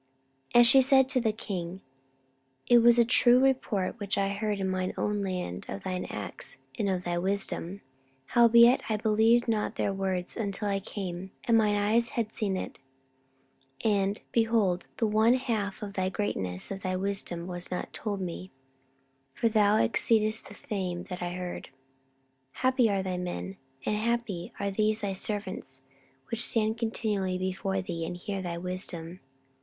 14:009:005 And she said to the king, It was a true report which I heard in mine own land of thine acts, and of thy wisdom: 14:009:006 Howbeit I believed not their words, until I came, and mine eyes had seen it: and, behold, the one half of the greatness of thy wisdom was not told me: for thou exceedest the fame that I heard. 14:009:007 Happy are thy men, and happy are these thy servants, which stand continually before thee, and hear thy wisdom.